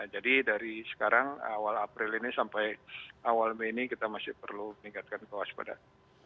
jadi dari sekarang awal april ini sampai awal mei ini kita masih perlu meningkatkan kewaspadaan